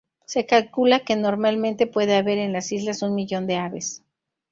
Se calcula que normalmente puede haber en las islas un millón de aves.